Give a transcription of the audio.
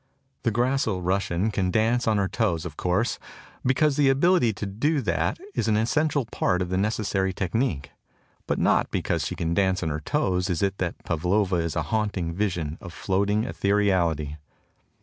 The gracile Russian can dance on her toes, of course, because the ability to do that is an essential part of the necessary technic. But not because she can dance on her toes is it that Pavlova is a haunting vision of floating etheriality.